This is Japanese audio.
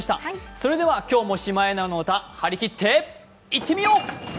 それでは今日も「シマエナガの歌」はりきっていってみよう！